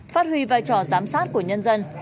phát huy vai trò giám sát của nhân dân